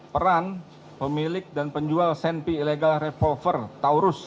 peran pemilik dan penjual senpi ilegal revolver taurus